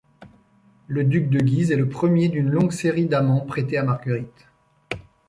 Le duc de Guise est le premier d’une longue série d'amants prêtés à Marguerite.